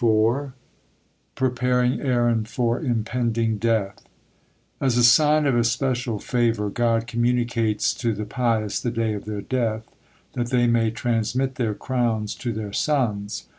PREPARING AARON FOR IMPENDING DEATH As a sign of especial favor God communicates to the pious the day of their death, that they may transmit their crowns to their sons.